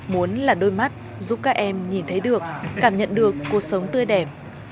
muốn là đôi mắt giúp các em nhìn thấy được cảm nhận được cuộc sống tươi đẹp